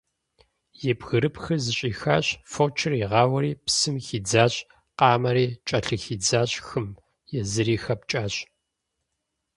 И бгырыпхыр зыщӀихащ, фочыр игъауэри, псым хидзащ, къамэри кӀэлъыхидзащ хым, езыри хэпкӀащ.